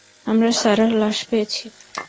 আমরা সারাহর লাশ পেয়েছি।